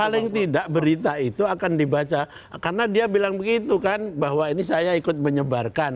paling tidak berita itu akan dibaca karena dia bilang begitu kan bahwa ini saya ikut menyebarkan